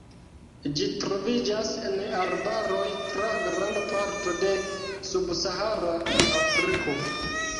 Ĝi troviĝas en arbaroj tra granda parto de subsahara Afriko.